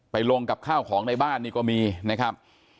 ลงกับข้าวของในบ้านนี่ก็มีนะครับ